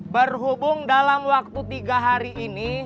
berhubung dalam waktu tiga hari ini